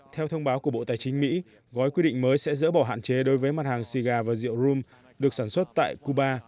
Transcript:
theo thông báo của bộ tài chính mỹ gói quy định mới sẽ dỡ bỏ hạn chế đối với mặt hàng xì gà và rượu rum được sản xuất tại cuba